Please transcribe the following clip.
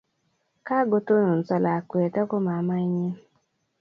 Kagotononso lakwet ago mamaenyi